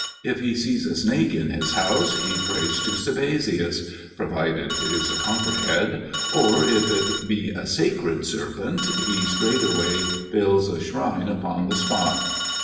If he sees a snake in his house, he prays to Sabazius (provided it is a copperhead) or, if it be a sacred serpent, he straightway builds a shrine upon the spot.